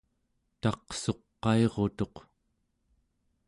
taqsuqairutuq